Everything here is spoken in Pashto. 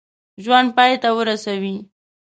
ژوند پای ته ورسوي.